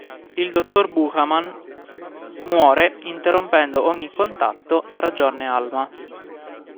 Il dottor Buchanan muore, interrompendo ogni contatto tra John e Alma.